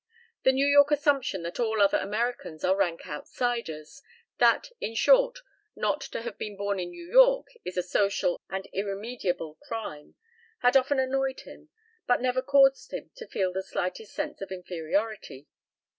The New York assumption that all other Americans are rank outsiders, that, in short, not to have been born in New York is a social and irremediable crime, had often annoyed him but never caused him to feel the slightest sense of inferiority.